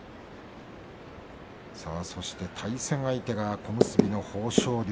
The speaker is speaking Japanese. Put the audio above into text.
そして対戦相手が小結の豊昇龍。